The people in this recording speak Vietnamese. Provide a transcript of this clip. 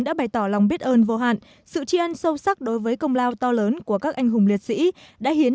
đã bày tỏ lòng biết ơn vô hạn sự tri ân sâu sắc đối với công lao to lớn của các anh hùng liệt sĩ đã hiến